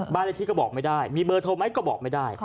เลขที่ก็บอกไม่ได้มีเบอร์โทรไหมก็บอกไม่ได้